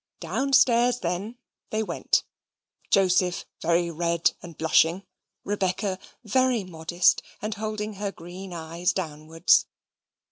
Downstairs, then, they went, Joseph very red and blushing, Rebecca very modest, and holding her green eyes downwards.